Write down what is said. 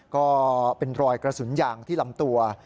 ก็เป็นรอยกระสุนยางที่ลำตัว